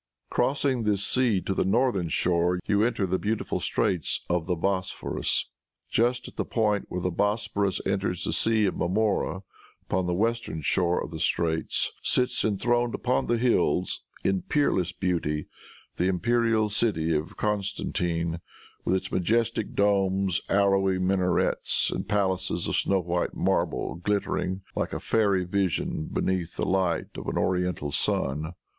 Crossing this sea to the northern shore, you enter the beautiful straits of the Bosporus. Just at the point where the Bosporus enters the Sea of Marmora, upon the western shore of the straits, sits enthroned upon the hills, in peerless beauty, the imperial city of Constantine with its majestic domes, arrowy minarets and palaces of snow white marble glittering like a fairy vision beneath the light of an oriental sun.